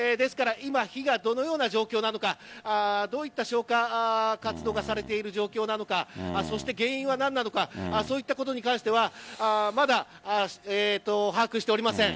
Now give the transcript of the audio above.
火が、どのような状況なのかどういった消火活動がされている状況なのか原因は何なのかそういったことに関してはまだ把握しておりません。